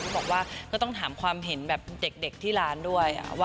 บอกว่าก็ต้องถามความเห็นแบบเด็กที่ร้านด้วย